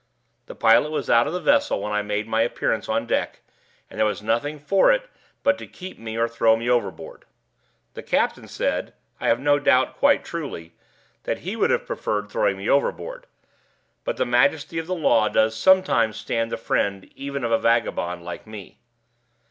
The pilot was out of the vessel when I made my appearance on deck, and there was nothing for it but to keep me or throw me overboard. The captain said (I have no doubt quite truly) that he would have preferred throwing me overboard; but the majesty of the law does sometimes stand the friend even of a vagabond like me.